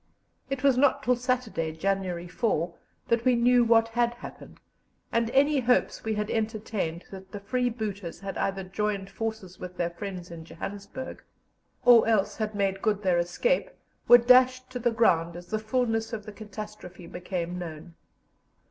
It was not till Saturday, January 4, that we knew what had happened, and any hopes we had entertained that the freebooters had either joined forces with their friends in Johannesburg, or else had made good their escape, were dashed to the ground as the fulness of the catastrophe became known.